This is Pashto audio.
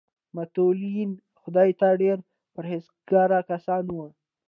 متولیان خدای ته ډېر پرهیزګاره کسان وو.